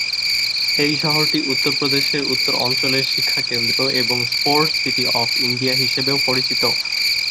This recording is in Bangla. এই শহরটি উত্তর প্রদেশের উত্তর অঞ্চলের শিক্ষা কেন্দ্র, এবং "স্পোর্টস সিটি অফ ইন্ডিয়া" হিসাবেও পরিচিত।